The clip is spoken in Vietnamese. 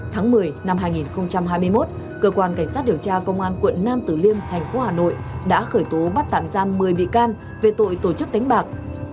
tháng một mươi năm hai nghìn hai mươi một cơ quan cảnh sát điều tra công an quận nam tử liêm thành phố hà nội đã khởi tố bắt tạm giam một mươi bị can về tội tổ chức đánh bạc